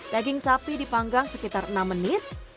daging sapi dipanggang sekitar enam menit